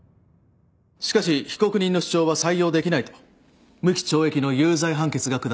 しかし被告人の主張は採用できないと無期懲役の有罪判決が下されました。